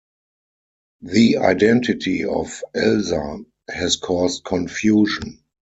The identity of "Elsa" has caused confusion.